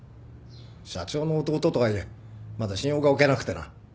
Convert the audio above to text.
社長の弟とはいえまだ信用がおけなくてな。